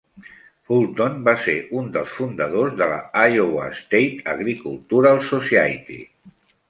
Fulton va ser un dels fundadors de la Iowa State Agricultural Society.